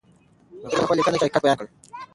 هغې په خپله لیکنه کې حقیقت بیان کړ.